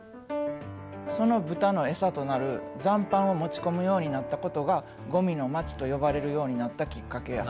その豚のエサとなる残飯を持ち込むようになったことが「ゴミの町」と呼ばれるようになったきっかけや。